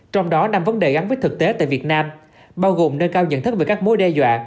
trong đó năm vấn đề gắn với thực tế tại việt nam bao gồm nơi cao nhận thức về các mối đe dọa